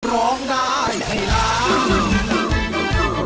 ร้องได้ให้ร้อง